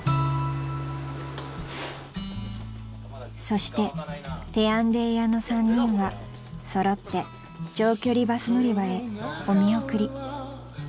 ［そしててやんでぃ屋の３人は揃って長距離バス乗り場へお見送り］